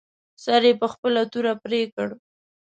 سر یې په خپله توره پرې کړ.